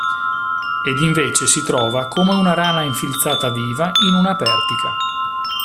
Ed invece si trova come una rana infilzata viva in una pertica.